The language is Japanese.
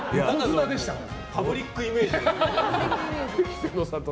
パブリックイメージ。